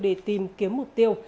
để tìm kiếm mục tiêu